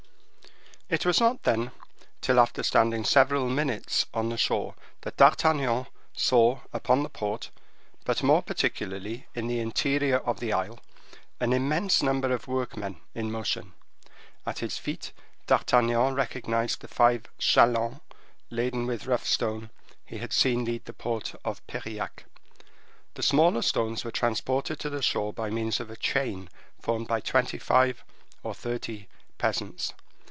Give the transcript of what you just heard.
It was not, then, till after standing several minutes on the shore that D'Artagnan saw upon the port, but more particularly in the interior of the isle, an immense number of workmen in motion. At his feet D'Artagnan recognized the five chalands laden with rough stone he had seen leave the port of Piriac. The smaller stones were transported to the shore by means of a chain formed by twenty five or thirty peasants.